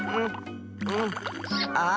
あ！